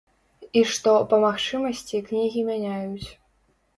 І што, па магчымасці, кнігі мяняюць.